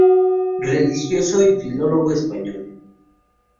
Religioso y filólogo español.